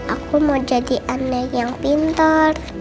aku mau jadi aneh yang pintar